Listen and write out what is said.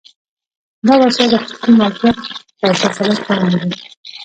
دا وسایل د خصوصي مالکیت تر تسلط لاندې دي